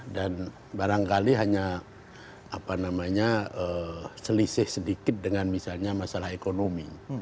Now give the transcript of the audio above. dan barangkali hanya selisih sedikit dengan misalnya masalah ekonomi